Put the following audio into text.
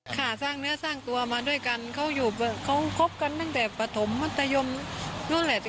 ค่ะสร้างเนื้อสร้างตัวมาด้วยกันเขาอยู่เขาคบกันตั้งแต่ปฐมมัธยมนู่นแหละ